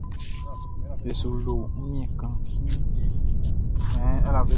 E su lo wunmiɛn kan siɛnʼn.